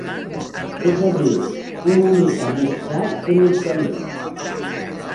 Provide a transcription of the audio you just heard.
És a dir, una mica més tard de mitjanit.